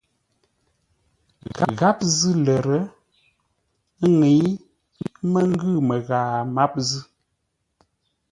Gháp zʉ́ lər, ə́ ŋə́i mə́ ngʉ̂ məghaa máp zʉ́.